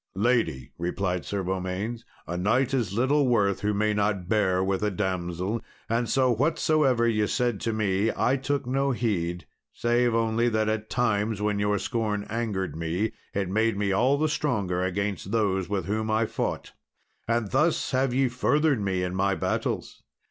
"Lady," replied Sir Beaumains, "a knight is little worth who may not bear with a damsel; and so whatsoever ye said to me I took no heed, save only that at times when your scorn angered me, it made me all the stronger against those with whom I fought, and thus have ye furthered me in my battles.